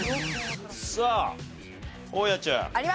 さあ大家ちゃん。